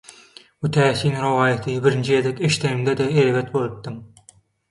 Bu täsin rowaýaty birinji gezek eşdenimde-de erbet bolupdym